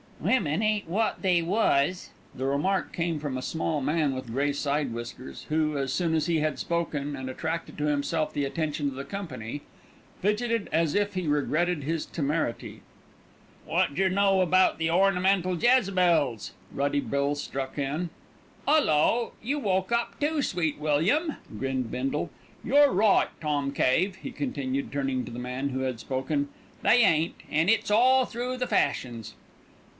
"Women ain't wot they was." The remark came from a small man with grey side whiskers who, as soon as he had spoken and attracted to himself the attention of the company, fidgeted as if he regretted his temerity. "Wot jer know about the ornamental Jezebels?" Ruddy Bill struck in. "'Ullo! you woke up too, Sweet William?" grinned Bindle. "You're right, Tom Cave," he continued, turning to the man who had spoken. "They ain't, an' it's all through the fashions."